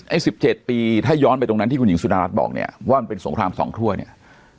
๑๗ปีถ้าย้อนไปตรงนั้นที่คุณหญิงสุดารัฐบอกเนี่ยว่ามันเป็นสงครามสองถ้วยเนี่ย